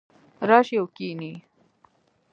راشئ او کښېنئ